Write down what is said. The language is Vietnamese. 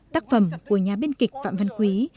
tác phẩm của nhà biên kịch phạm văn quý